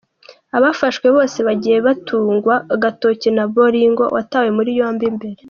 Abafashwe bose bagiye batungwa agatoki na Bolingo watawe muri yombi mbere.